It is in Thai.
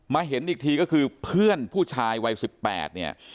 เห็นอีกทีก็คือเพื่อนผู้ชายวัย๑๘เนี่ย